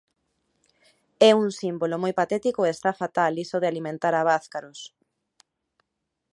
É un símbolo moi patético e está fatal iso de alimentar abázcaros.